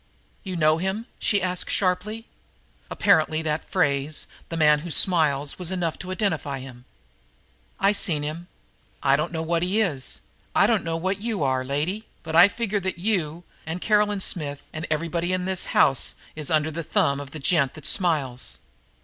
"You know him?" she asked sharply. Apparently that phrase, "the man who smiles," was enough to identify him. "I've seen him. I dunno what he is, I dunno what you are, lady, but I figure that you and Caroline Smith and everybody else in this house is under the thumb of the gent that smiles."